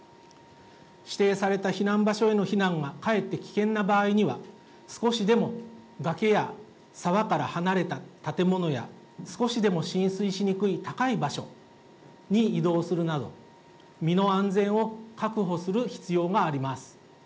指定された避難場所への避難がかえって危険な場合には、少しでも崖や沢から離れた建物や、少しでも浸水しにくい高い場所に移動するなど、身の安全を確保する必要があります。